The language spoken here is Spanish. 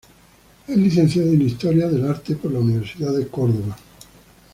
Es licenciado en historia del arte por la Universidad de Córdoba.